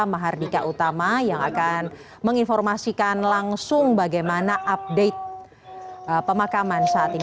mahardika utama yang akan menginformasikan langsung bagaimana update pemakaman saat ini